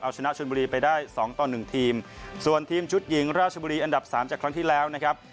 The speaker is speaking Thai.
เอาชนะชนบุรีไปได้สองต่อหนึ่งทีมส่วนทีมชุดหญิงราชบุรีอันดับสามจากครั้งที่แล้วนะครับ